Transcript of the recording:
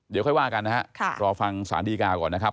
เดี๋ยวค่อยว่ากันนะครับรอฟังสารดีกาก่อนนะครับ